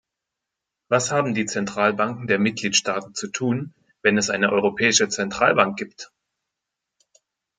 Was haben die Zentralbanken der Mitgliedstaaten zu tun, wenn es eine Europäische Zentralbank gibt?